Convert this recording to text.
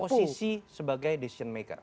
kasih posisi sebagai decision maker